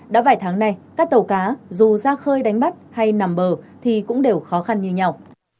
đã vài tháng nay các tàu cá dù ra khơi đánh bắt hay nằm bờ thì cũng đều khó khăn như nhau